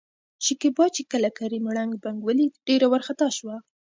شکيبا چې کله کريم ړنګ، بنګ ولېد ډېره ورخطا شوه.